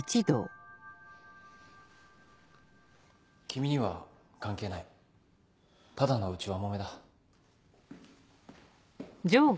君には関係ないただの内輪もめだ。